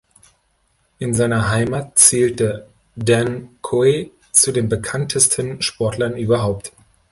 In seiner Heimat zählte Dan Coe zu den bekanntesten Sportlern überhaupt.